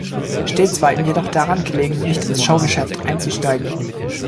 Stets war ihm jedoch daran gelegen, nicht ins Show-Geschäft einzusteigen.